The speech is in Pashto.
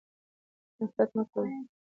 نفرت مه کوئ.